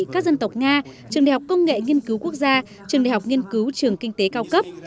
các dân tộc nga trường đại học công nghệ nghiên cứu quốc gia trường đại học nghiên cứu trường kinh tế cao cấp